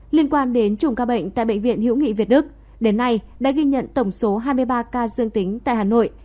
liên quan đến chủng ca bệnh tại bệnh viện hữu nghị việt đức đến nay đã ghi nhận tổng số hai mươi ba ca dương tính tại hà nội